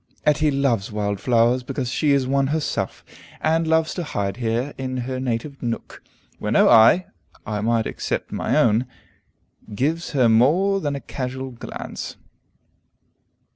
Etty loves wild flowers because she is one herself, and loves to hide here in her native nook, where no eye (I might except my own) gives her more than a casual glance.